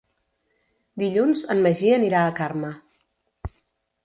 Dilluns en Magí anirà a Carme.